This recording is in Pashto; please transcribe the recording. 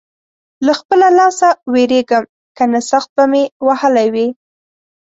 له خپله لاسه وېرېږم؛ که نه سخت به مې وهلی وې.